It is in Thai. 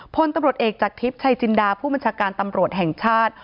พลตำรวจเอกจากทิพย์ชัยจินดาผู้บัญชาการตำรวจแห่งชาติ